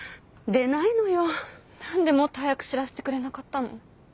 何でもっと早く知らせてくれなかったの。